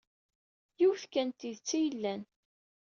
Yiwet kan n tidet ay yellan.